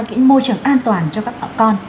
cái môi trường an toàn cho các con